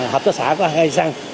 hợp tác xã có hai cây xăng